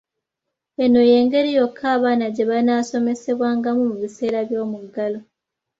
Eno y'engeri yokka abaana gye banaasomesebwangamu mu biseera by'omuggalo.